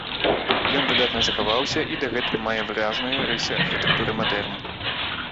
Ён выдатна захаваўся і дагэтуль мае выразныя рысы архітэктуры мадэрну.